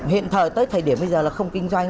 hiện thời tới thời điểm bây giờ là không kinh doanh